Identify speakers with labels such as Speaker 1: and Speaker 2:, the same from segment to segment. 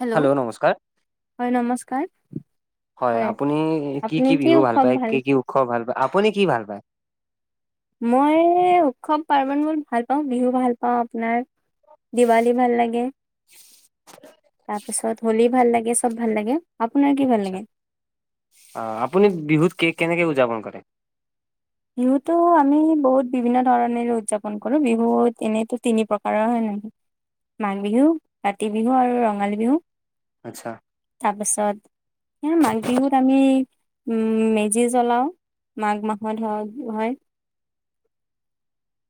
Speaker 1: Hello হয় নমস্কাৰ।
Speaker 2: হয় আপুনি কি কি বিহু ভাল পায় কি কি উৎসৱ ভাল পায় আপুনি কি ভাল পায়।
Speaker 1: মই উৎসৱ পাৰ্বন মোৰ ভাল পাওঁ বিহু ভাল পাওঁ আপোনাৰ। দিৱালী ভাল লাগে ত। তাৰপিছত হোলি ভাল লাগে চব ভাল লাগে আপোনাৰ কি ভাল
Speaker 2: আচ্ছা।
Speaker 1: লাগে।
Speaker 2: অ আপুনি বিহুত কে কেনেকে উদযাপন কৰে।
Speaker 1: বিহুতো আমি বহুত বিভিন্ন ধৰণলৈ উদযাপন কৰো বিহুত এনেইতো তিনি প্ৰকাৰৰ হয় নাই। মাঘ বিহু কাতি বিহু আৰু ৰঙালী বিহু।
Speaker 2: আচ্ছা।
Speaker 1: তাৰপিছত। হে মাঘ বিহুত আমি উম মেজি জ্বলাও মাঘ মাহত। অ হয়।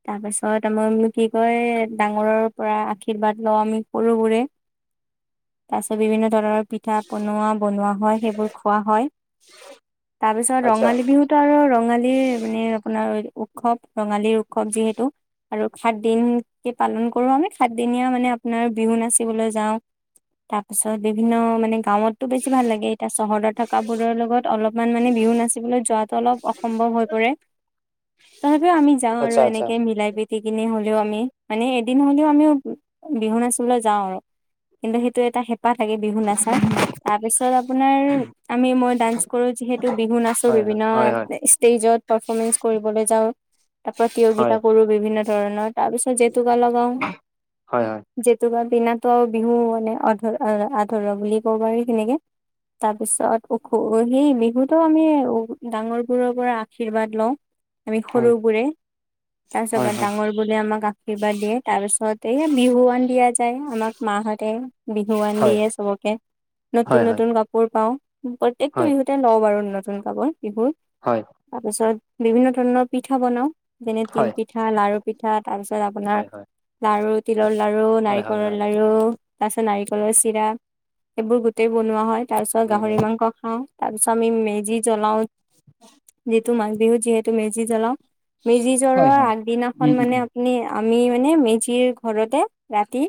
Speaker 1: তাৰ পিছত আমাৰ ব কি কয় ডাঙৰৰ পৰা আশীৰ্বাদ লওঁ আমি সৰু বোৰে।
Speaker 2: [inaudible]
Speaker 1: তাৰ পিছত বিভিন্ন ধৰণৰ। পিঠা পনোৱা বনোৱা হয় সেইবোৰ খোৱা হয় তাৰ পিছত
Speaker 2: আচ্ছা
Speaker 1: ৰঙালী বিহুত। টো আৰু ৰঙালীৰ মানে আপোনাৰ উৎসৱ ৰঙালীৰ উৎসৱ যিহেতু। আৰু সাত দিনটি পালন কৰো আমি সাতদিনীয়া মানে আপোনাৰ বিহু নাচিবলৈ যাওঁ। তাৰপিছত বিভিন্ন মানে গাঁৱত। তোৰ বেছি ভাল লাগে এতিয়া চহৰত থকা বোৰৰ লগত অলপমান মানে বিহু নাচিবলৈ যোৱাতো অলপ অসম্ভৱ হৈ পৰে।
Speaker 2: [inaudible]
Speaker 1: তথাপিও আমি যাওঁ। আৰু
Speaker 2: আচ্ছা আচ্ছা।
Speaker 1: এনেকে মিলাই প্ৰিতি কিনে হ'লেও আমি মানে এদিন হলেও আমিও বিহু নাচিবলৈ যাওঁ। কিন্তু সেইটো এটা হেঁপাহ থাকে বিহু নাচাৰ। তাৰপিছত আপোনাৰ আমি মই ডান্স কৰো, যিহেতু বিহু নাচো,
Speaker 2: হয় হয়
Speaker 1: বিভিন্ন
Speaker 2: হয় হয়
Speaker 1: ষ্টেজত। পাৰফমেঞ্চ কৰিবলৈ যাওঁ। এ প্ৰতিযোগিতা
Speaker 2: হয়
Speaker 1: কৰো বিভিন্ন ধৰণৰ, তাৰ পিছত জেতুকা লগাওঁ।
Speaker 2: হয় হয়
Speaker 1: জেতু বিনাটো বিহু মানে অধ আধৰুৱা বুলি ক'ব পাৰি সেনেকে। তাৰ পিছত ওখো সেই বিহুতো আমি ডাঙৰবোৰৰ পৰা আশীৰ্বাদ লওঁ। আমি সৰুবোৰে।
Speaker 2: হয়
Speaker 1: তাৰপিছত ডাঙৰ বোৰে আমাক আৰ্শীৰ্বাদ দিয়ে তাৰ পিছত এই বিহুৱান দিয়া যায় আমাক মাহঁতে। বিহুৱান
Speaker 2: হয়
Speaker 1: দিয়ে চবকে
Speaker 2: হয়
Speaker 1: নতুন,
Speaker 2: হয়
Speaker 1: নতুন কাপ পোৰ পাওঁ, প্ৰত্যেকটো
Speaker 2: হয়
Speaker 1: বিহুতে লওঁ বাৰু নতুন কাপোৰ বিহুৰ।
Speaker 2: হয়।
Speaker 1: তাৰপিছত বিভিন্ন ধৰণৰ পিঠা বনাওঁ। যেনে
Speaker 2: হয়
Speaker 1: তিল পিঠা লাৰু পিঠা তাৰপিছত
Speaker 2: হয় হয়
Speaker 1: আপোনাৰ
Speaker 2: হয়
Speaker 1: লাৰু তিলৰ লাৰু
Speaker 2: হয় হয় হয় হয়
Speaker 1: নাৰিকলৰ লাৰু। তাৰপিছত নাৰিকলৰ চিৰা এইবোৰ গোটেই বনোৱা হয়, তাৰ পিছত গাহৰি মাংস খাওঁ। তাৰপিছত আমি মেজি জ্বলাওঁ, যিটো মাঘ বিহুত যিহেতু মেজি জ্বলাওঁ। মেজি
Speaker 2: হয় হয়
Speaker 1: জ্বলোৱাৰ
Speaker 2: হয়।
Speaker 1: আগদিনাখন
Speaker 2: উম উম
Speaker 1: মানে
Speaker 2: উম
Speaker 1: আপুনি আমি মানে মেজিৰ ঘৰতে ৰাতি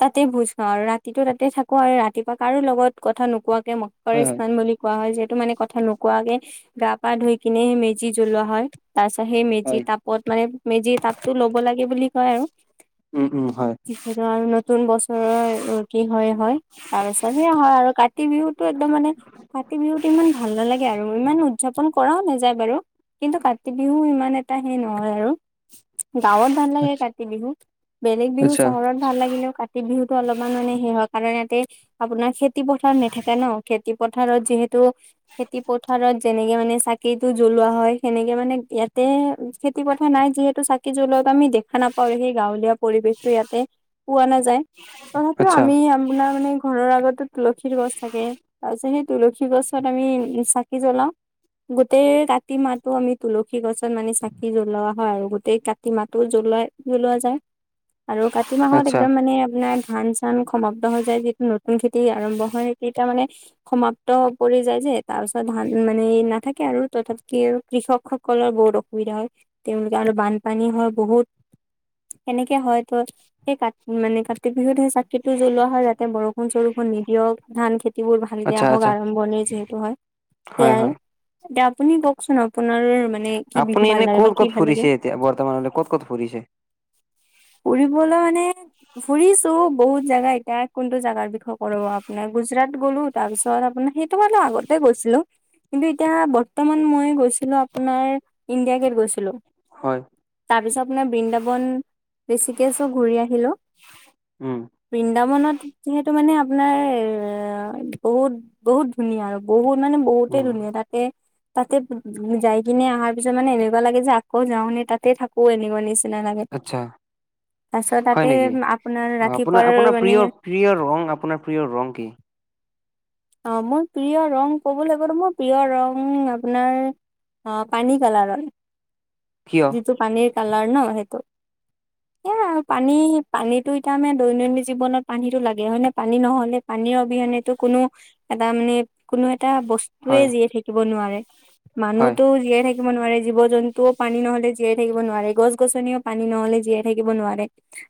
Speaker 1: তাতে ভোজ খাওঁ। আৰু ৰাতিটো তাতে থাকোঁ আৰু ৰাতিপুৱা কাৰো লগত কথা নোকোৱাকে।
Speaker 2: হয় হয়
Speaker 1: [unintelligible] কোৱা হয়, যিহেতু মানে কথা নোকোৱাকে গা পা ধুই কিনে মেজি জ্বলোৱা হয়। তাৰ পাছত সেই মেজি
Speaker 2: হয়
Speaker 1: তাপত মানে মেজিৰ তাপটো ল'ব লাগে বুলি কয় আৰু।
Speaker 2: উম, উম হয়।
Speaker 1: সেইটো আৰু নতুন বছৰৰ কি হয়, হয়। তাৰপিছত সেয়া হয় আৰু, কাতি বিহুটো একদম মানে। কাতি বিহুত ইমান ভাল নালাগে আৰু ইমান উদযাপন কৰাওঁ নাযায় বাৰু। কিন্তু কাতি বিহু ইমান এটা সেই নহয় আৰু। গাওঁত ভাল লাগে কাতি বিহু, বেলেগ বিহু
Speaker 2: আচ্ছা
Speaker 1: চহৰত ভাল লাগিলেওঁ কা তি বিহুটো অলপমান মানে সেই হয় কাৰণে ইয়াতে আপোনাৰ খে খেতি পথাৰ নেথাকে নহ, খেতি পথাৰত যিহেতু খেতি পথাৰত। যেনেকে মানে চাকিটো জ্বলোৱা হয় সেনেকে মানে ইয়াতে। খেতি পথাৰ নাই যিহেতু চাকি জ্বলোৱাটো আমি দেখা নাপাওঁ। সেই গাঁৱলীয়া পৰিৱেশটো ইয়াতে পোৱা নাযায়, তথাপি
Speaker 2: আচ্ছা
Speaker 1: আমি আপোনাৰ মানে ঘৰৰ আগত তুলসীৰ গছ থাকে, তাৰপিছত সেই তুলসীৰ গছত আমি চাকি জ্বলাওঁ। গোটেই কাতি মাহটো আমি তুলসী গছত মানে চাক কি জ্বলোৱা হয় আৰু গোটেই কাতি মাহটো জ্বলাই জ্বলোৱা যায়। আৰু কাতিমাহত
Speaker 2: আচ্ছা
Speaker 1: একদম মানে আপোনাৰ ধান চ [unintelligible] সমাপ্ত হৈ যায়, [unintelligible] নতুন খেতি আৰম্ভ হয়। সি তাৰ মানে সমাপ্ত পৰি যায় যে, তাৰপিছত ধান মানে নাথাকে আৰু তথাপি কি আৰু কৃষক সকলৰ বহুত অসুবিধা হয়, তেওঁলোকে আৰু বানপানী হয় বহুত। সেনেকে হয় ত' সেই কাত মানে কাতিক বিহুত সেই চাক কিটো জ্বলোৱা হয়, যাতে বৰষুণ চৰষুণ নিদিয়ক ধান খেতিবোৰ ভালকে
Speaker 2: আচ্ছা
Speaker 1: আহক
Speaker 2: আচ্ছা
Speaker 1: আৰম্ভণিৰ যিহেতু হয়।
Speaker 2: হয়,
Speaker 1: সেয়াই
Speaker 2: হয়।
Speaker 1: এতিয়া আপুনি কওঁকচোন আপোনাৰ মানে কি বিহু
Speaker 2: আপুনি
Speaker 1: ভাল
Speaker 2: এনে
Speaker 1: লাগে
Speaker 2: ক'ত
Speaker 1: বা কি
Speaker 2: ক'ত
Speaker 1: ভাল লাগে
Speaker 2: ফুৰিছে এতিয়া বৰ্তমানলৈ ক'ত ক'ত ফুৰিছে?
Speaker 1: ফুৰিবলৈ মানে ফুৰিছো বহুত জাগা, এতিয়া কোনটো জাগাৰ বিষয়ে কৰোঁ আপোনাৰ, গুজৰাট গ'লো তাৰপিছত আপোনাৰ সেইটো মানে আগতে গৈছিলোঁ। কিন্তু এতিয়া বৰ্তমান মই গৈছিলোঁ, আপোনাৰ ইণ্ডিয়া গে'ট গৈছিলোঁ।
Speaker 2: হয়
Speaker 1: তাৰ পিছত আপোনাৰ বৃন্দাবন হৃষিকেশো ঘূৰি আহিলো।
Speaker 2: উম।
Speaker 1: বৃন্দাবনত যিহেতু মানে আপোনাৰ এ বহুত। বহুত ধুনীয়া আৰু বহুত মানে বহুতে
Speaker 2: উম
Speaker 1: ধুনীয়া তাতে, তাতে যাই কিনে আহাৰ পিছে মানে এনেকুৱা লাগে যে আকৌ যাওঁনে তাতে থাকো এনেকুৱা নিচ এ নালাগে
Speaker 2: আচ্ছা
Speaker 1: তাৰছত
Speaker 2: হয়
Speaker 1: তাতে
Speaker 2: নেকি?
Speaker 1: আপোনাৰ
Speaker 2: অ আপোনাৰ
Speaker 1: ৰাতিপুৱাৰ
Speaker 2: আপোনাৰ
Speaker 1: মানে
Speaker 2: প্ৰিয় প্ৰিয় ৰং আপোনাৰ প্ৰিয় ৰং কি
Speaker 1: অ মোৰ প্ৰিয় ৰং ক'বলে গ'লে মোৰ প্ৰিয় ৰং আপোনাৰ অ পানী কালাৰৰ
Speaker 2: কিয়?
Speaker 1: যিটো পানীৰ কালাৰ ন সেইটো
Speaker 2: [inaudible]
Speaker 1: এ আৰু পানী পানীটো এতিয়া মানে দৈনন্দিন জীৱনত পানীটো লাগে হয় ন পানী নহ'লে পানীৰ অবিহনেতো কোনো এটা মানে কোনো এটা বস্তুৱে
Speaker 2: হয়
Speaker 1: জীয়াই থাকিব নোৱাৰে
Speaker 2: হয়
Speaker 1: মানুহতো জীয়াই থাকিব নোৱাৰে জীৱ জন্তুও পানী নহলে জীয়াই থাকিব নোৱাৰে গছ গছনিও পানী নহলে জীয়াই থাকিব নোৱাৰে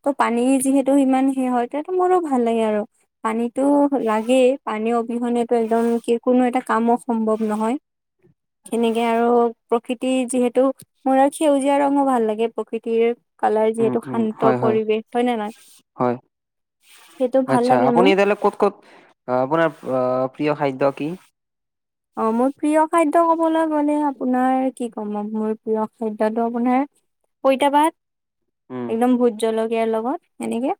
Speaker 1: ত' পানী যিহেতু ইমান সে হয় তেতো মোৰো ভাল লাগে আৰু পানীটো লাগেই পানী অবিহনেতো একদম কে কোনো এটা কামো সম্ভৱ নহয় সেনেকে আৰু প্ৰকৃতিৰ যিহেতু মোৰ সেউজীয়া ৰঙো ভাল লাগে প্ৰকৃতিৰ কালাৰ
Speaker 2: উম
Speaker 1: যিহেতু
Speaker 2: উম
Speaker 1: শান্ত
Speaker 2: হয়
Speaker 1: পৰিৱেশ হয় নে নহয়
Speaker 2: হয়
Speaker 1: সেইটো ভাল
Speaker 2: আচ্ছা
Speaker 1: লাগে মোৰ
Speaker 2: আপুনি ইতালে ক'ত ক'ত আপোনাৰ প্ৰিয় খাদ্য কি
Speaker 1: অ মোৰ প্ৰিয় খাদ্য কবলৈ গলে আপোনাৰ কি ক'ম মোৰ প্ৰিয় খাদ্য টো আপোনাৰ পইতা
Speaker 2: উম
Speaker 1: ভাত একদম ভোট জলকীয়াৰ লগত সেনেকে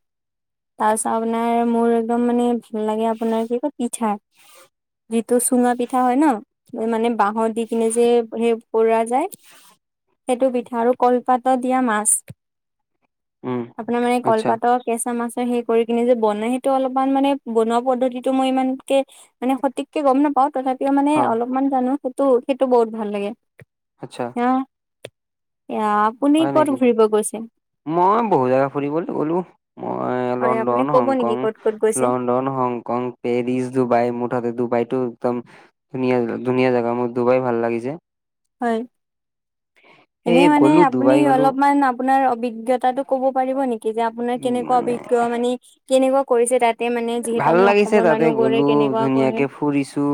Speaker 1: তাৰপিছত আপোনাৰ মোৰ একদম মানে ভাল লাগে আপোনাৰ কি কয় পিঠা বি ত চুঙা পিত পিঠা হয় ন মানে বাঁহৰ দি কিনে যে সেই পুৰা যায় সেইটো পিঠা আৰু কলপাতত দিয়া মাছ
Speaker 2: উম
Speaker 1: আপোনাৰ মানে
Speaker 2: আচ্ছা
Speaker 1: কলপাতৰ কেঁচা মাছৰ সেই কৰি কিনে যে বনাই সেইটো অলপমান মানে বনোৱা পদ্ধতিটো মই ইমানকে মানে সঠিককে গম নাপাও তথাপিও
Speaker 2: হ
Speaker 1: মানে অলপমান জানো সেইটো সেইটো বহুত ভাল লাগে
Speaker 2: আচ্ছা
Speaker 1: এয়া আপুনি
Speaker 2: হয়
Speaker 1: কত
Speaker 2: নেকি?
Speaker 1: ঘুৰিব গৈছিল
Speaker 2: মই বহুত জেগা ফুৰিবলে গলো মই
Speaker 1: হয় আপুনি
Speaker 2: লণ্ডন
Speaker 1: ক'ব নেকি
Speaker 2: হংকং
Speaker 1: ক'ত ক'ত
Speaker 2: লণ্
Speaker 1: গৈছে
Speaker 2: লণ্ডন হংকং পেৰিছ ডুবাই মুঠতে ডুবাইটো একদম ধুনীয়া ধুনীয়া জেগা মোৰ ডুবাই ভাল লাগিছে
Speaker 1: হয় এনে
Speaker 2: এই
Speaker 1: মানে
Speaker 2: গ'লো
Speaker 1: আপুনি
Speaker 2: ডুবাই গ'লো
Speaker 1: অলপমান আপ আপোনাৰ অভিজ্ঞতাটো ক'ব পাৰিব নেকি যে আপোনাৰ
Speaker 2: উ
Speaker 1: কেনেকুৱা
Speaker 2: মানে
Speaker 1: অভিজ্ঞ মানে কেনেকুৱা কৰিছে তাতে মানে যিহেতু
Speaker 2: ভাল
Speaker 1: আমি অসমৰ মানুহ বোৰে কেনেকুৱা কৰে
Speaker 2: ফুৰিছোঁ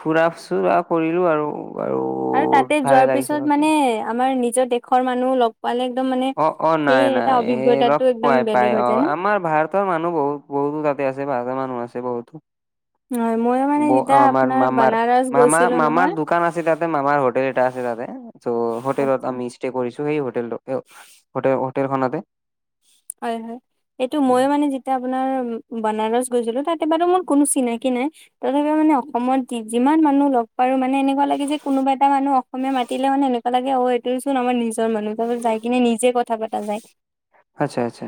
Speaker 2: ফুৰা চুৰা কৰিলো আৰু আৰু
Speaker 1: আৰু তাতে
Speaker 2: ভালে
Speaker 1: যোৱাৰ
Speaker 2: লাগিছে
Speaker 1: পিছত
Speaker 2: বাকী
Speaker 1: মানে আমাৰ নিজৰ দেশৰ মানুহ লগ পালে একদম মানে
Speaker 2: অ অ
Speaker 1: সেই
Speaker 2: নাই
Speaker 1: এটা
Speaker 2: নাই এই
Speaker 1: অভিজ্ঞতাটো
Speaker 2: লগ
Speaker 1: একদম
Speaker 2: পাই
Speaker 1: বেলেগ
Speaker 2: পাই
Speaker 1: হৈ
Speaker 2: অ
Speaker 1: যায় ন
Speaker 2: আমাৰ ভাৰত তৰ মানুহ বহুত বহুতো তাতে আছে ভাৰতৰ মানুহ আছে বহুতো
Speaker 1: হয় ময়ো মানে
Speaker 2: বৌ
Speaker 1: যেতিয়া
Speaker 2: আমাৰ
Speaker 1: আপোনাৰ
Speaker 2: মামাৰ
Speaker 1: বানাৰস
Speaker 2: মামা
Speaker 1: গৈছিলো
Speaker 2: মামাৰ
Speaker 1: নহয়
Speaker 2: দোকান আছে তাতে মামাৰ হোটেল এটা আছে তাতে ত' হোটেলত
Speaker 1: আচ্ছা
Speaker 2: আমি ষ্টে কৰিছো সেই হোষ্টেলটো হ হোটে হোটেলখনতে
Speaker 1: হয় হয় এইটো মই মানে যি আপোনাৰ বনাৰস গৈছিলো তাতে বাৰু মোৰ কোনো চিনাকি নাই তথাপিও মানে অসমত যি যিমান মানুহ লগ পায়ো মা মানে এনেকুৱা লাগে যে কোনোবা এটা মানুহ অসমীয়া মাতিলে মানে এনেকুৱা লাগে অ এইটো চোন আমাৰ নিজৰ মানুহ তাছত যাই কিনে নিজে কথা পাতা যায়
Speaker 2: আচ্ছা আচ্ছা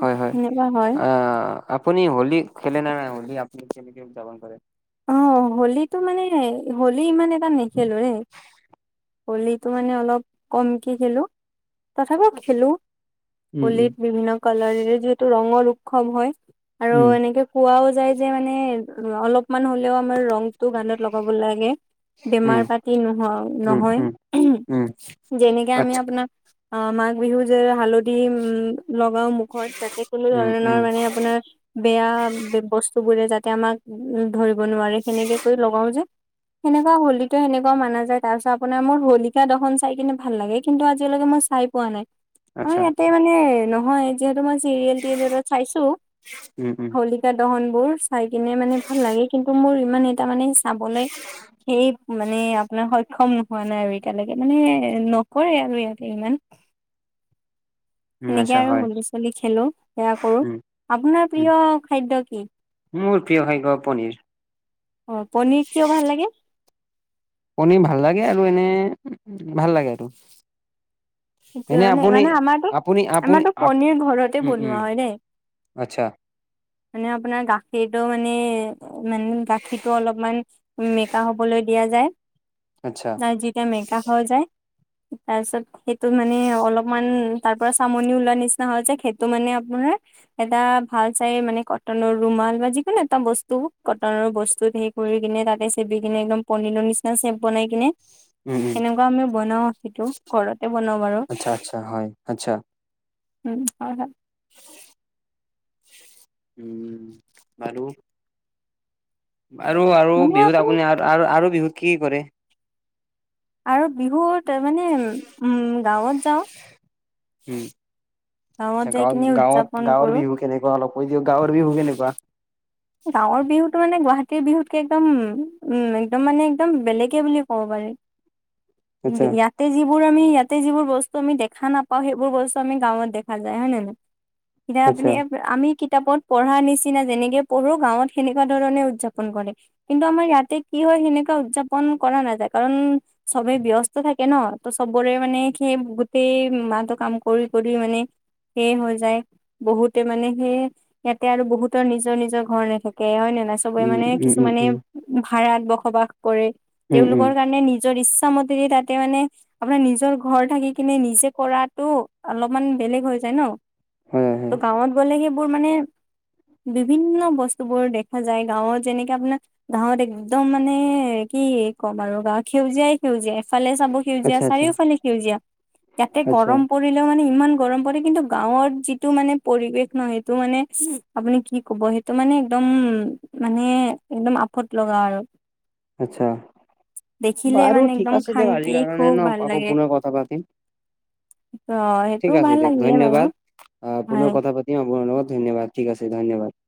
Speaker 2: হয় হয়
Speaker 1: সেনেকুৱা হয়
Speaker 2: আ আপুনি হোলি খেলে নে নাই হলি আপুনি কেনেকে উদযাপন কৰে
Speaker 1: অ, হলীটো মানে হলী ইমান এটা নেখেলো ৰে। হলীটো মানে অলপ কমকে খেলো [unintelligible] খেলো।
Speaker 2: উম উম
Speaker 1: হোলিত বিভিন্ন কালাৰেৰে যিহেতু ৰঙৰ উৎসৱ হয় আৰু
Speaker 2: উম
Speaker 1: এনেকে খোৱাও যায় যে মানে ৰ' অলপমান হ'লেও আমাৰ ৰ [unintelligible] গানত লগাব লাগে
Speaker 2: উম
Speaker 1: বেমাৰ পাতি নোহোৱা
Speaker 2: উম, উম,
Speaker 1: নহয়।
Speaker 2: উম,
Speaker 1: যেনেকে আমি
Speaker 2: আচ্ছা,
Speaker 1: আপোনাৰ আহ মাঘ বিহু [unintelligible] হালধি উম, লগাও মুখত যাতে কোনো
Speaker 2: উম,
Speaker 1: ধৰণৰ
Speaker 2: উম,
Speaker 1: মানে আপোনাৰ বেয়া বস্তু বোৰে যাতে আমাক ধৰিব নোৱাৰে সেনেকে কৈ লগাও যে সেনেকুৱা হলিটো সেনেকুৱা মানা যায় তাৰপাছত আপোনাৰ মোৰ হলিকা দশন চাই কিনে ভাল লাগে কিন্তু আজিলৈকে মই চাই পোৱা নাই। অ,
Speaker 2: আচ্ছা,
Speaker 1: ইয়াতে মানে নহয় যিহেতু মই চিৰিয়েল তিৰেয়েলত চাইছো
Speaker 2: উম, উম,
Speaker 1: হলী [unintelligible] দহন বোৰ চাই কিনে মানে ভাল লাগে কিন্তু মোৰ ইমান এটা মানে চাবলৈ সেই মানে আপোনাৰ সক্ষম হোৱা নাই আৰু এতিয়ালৈকে মানে নকৰে আৰু ইয়াতে ইমান।
Speaker 2: [inaudible]
Speaker 1: সেনেকে আৰু
Speaker 2: হয়,
Speaker 1: হলি চলি খেলো সেয়া কৰো
Speaker 2: উম,
Speaker 1: আপোনাৰ
Speaker 2: উম,
Speaker 1: প্ৰিয় খাদ্য কি?
Speaker 2: মোৰ প্ৰিয় খাদ্য পনীৰ।
Speaker 1: অ, পনীৰ কিয় ভাল লাগে?
Speaker 2: পনিৰ ভাল লাগে আৰু এনে ভাল লাগে আৰু।
Speaker 1: সেইটো
Speaker 2: এনেই
Speaker 1: মানে মানে আমাৰতো
Speaker 2: আপুনি-আপুনি-আপুনি-
Speaker 1: আমাৰতো
Speaker 2: আপ
Speaker 1: পনিৰ ঘৰতে
Speaker 2: উম - উম
Speaker 1: বনোৱা হয় দেই
Speaker 2: আচ্ছা।
Speaker 1: মানে আপোনাৰ গাখীৰটো মানে মান গাখীৰটো অলপমান মেকা হবলৈ দিয়া যায়।
Speaker 2: আচ্ছা,
Speaker 1: নাই যেতিয়া মেকা হৈ যায় তাৰপিছত সেই টো মানে অলপমান তাৰ পৰা চামনি ওলোৱা নিচিনা হয় যে সেইটো মানে আপোনাৰ এটা ভাল চাই মানে কটনৰ ৰুমাল বা যিকোনো এটা বস্তু কটনৰ বস্তু ধেই পুৰি কিনে তাতে চেপি কিনে একদম পনীৰৰ নিচিনা চেপ বনাই কিনে
Speaker 2: উম, উম,
Speaker 1: এনেকুৱা আমি বনাওঁ সিটো ঘৰতে বনাওঁ বাৰু।
Speaker 2: আচ্ছা, আচ্ছা, হয়, আচ্ছা,
Speaker 1: উম, হয়-হয়
Speaker 2: উম, বাৰু আৰু - আৰু বিহুত আপুনি আৰ আৰু-আৰু বিহুত কি কৰে?
Speaker 1: আৰু বিহুত মানে [unintelligible] উম গাঁৱত যাওঁ।
Speaker 2: উম,
Speaker 1: গাঁৱত
Speaker 2: আচ্ছা
Speaker 1: যাই কিনে উদযাপন
Speaker 2: গাঁৱত-গাঁৱত গাঁৱৰ
Speaker 1: কৰো
Speaker 2: বিহু কেনেকুৱা অলপ কৈ দিয়ক গাঁৱৰ বিহু কেনেকুৱা?
Speaker 1: গাঁৱৰ বিহুটো মানে গুৱাহাটীৰ বিহুতকে একদম উম একদম মানে একদম বেলেগে বুলে ক'ব পাৰি।
Speaker 2: [inaudible] আচ্ছা,
Speaker 1: [unintelligible] তে যিবোৰ আমি ইয়াতে যিবোৰ বস্তু আমি দেখা নাপাওঁ সেইবোৰ বস্তু আমি গাঁৱত দেখা যায় হয় নে নাই?
Speaker 2: [inaudible]
Speaker 1: এতিয়া আপুনি [unintelligible] আমি কিতাপত পঢ়া নিচিনা যেনেকে পঢ়ো গাঁৱত সেনেকুৱা ধৰণে উদযাপন কৰে। কিন্তু আমাৰ ইয়াতে কি হয় সেনেকুৱা উদযাপন কৰা নাযায় কাৰণ চবেই ব্যস্ত থাকে ন ত' চবৰে মানে সেই গোটেই মাহটো কাম কৰি-কৰি মানে সেয়ে হৈ যায় বহুতে মানে সেয়ে ইয়াতে আৰু বহুতৰ নিজৰ-নিজৰ ঘৰ নেথাকে হয় নে নাই চবে
Speaker 2: উম,
Speaker 1: মানে
Speaker 2: উম, উম,
Speaker 1: কিছুমানে
Speaker 2: উম,
Speaker 1: ভাৰাত বসবাস কৰে
Speaker 2: উম, উম,
Speaker 1: তেওঁলোকৰ কাৰণে নিজৰ ইচ্ছামত [unintelligible] তাতে মানে আপোনাৰ নিজৰ ঘৰ থাকি কিনে নিজে কৰাটো অলপমান বেলেগ হৈ যায় ন,
Speaker 2: হয়,
Speaker 1: ত'
Speaker 2: হয়,
Speaker 1: গাঁৱত গ'লে সি বোৰ মানে বিভিন্ন বস্তু বোৰ দেখা যায় গাঁৱত যেনেকে আপোনাৰ গাঁৱত একদম মানে কি ক'ম আৰু গাঁৱত সেউজীয়াই সেউজীয়া এফালে চাব সেউজীয়া
Speaker 2: আচ্ছা, আচ্ছা,
Speaker 1: চাৰিওফালে সেউজীয়া, ইয়াতে
Speaker 2: আচ্ছা।
Speaker 1: গৰম পৰ ও মানে ইমান গৰম পৰে, কিন্তু গাঁৱত যিটো মানে পৰিবেশ নহ সেইটো মানে আপুনি কি ক'ব সেই ত মানে একদম মানে একদম আফত লগা আৰু।
Speaker 2: আচ্ছা
Speaker 1: দেখিলে
Speaker 2: বাৰু
Speaker 1: মানে
Speaker 2: ঠিক
Speaker 1: একদম
Speaker 2: আছে দিয়ক
Speaker 1: শান্তি
Speaker 2: আজিৰ কাৰণে
Speaker 1: খুব
Speaker 2: ন
Speaker 1: ভাল
Speaker 2: আকৌ
Speaker 1: লাগে।
Speaker 2: পুনৰ কথা পাতিম
Speaker 1: অ সেইটো
Speaker 2: ঠিক আছে
Speaker 1: ভাল
Speaker 2: দিয়ক
Speaker 1: লাগিলে বাৰু
Speaker 2: ধন্যবাদ, আহ
Speaker 1: হয়
Speaker 2: পুনৰ কথা পাতিম আপোনাৰ লগত ধন্যবাদ ঠিক আছে ধন্যবাদ।